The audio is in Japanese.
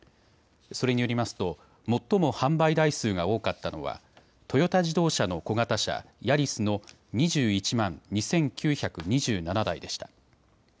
それによりますと最も販売台数が多かったのはトヨタ自動車の小型車、ヤリスの２１万２９２７台でした。